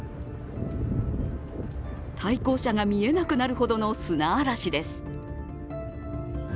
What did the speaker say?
対向車が見えなくなるほどの砂嵐です。